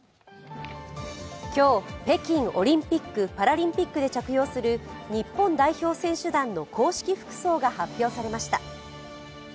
今日、北京オリンピック・パラリンピックで着用する日本代表選手団の公式服装が発表されました。